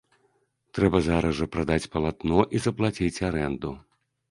Трэба зараз жа прадаць палатно і заплаціць арэнду.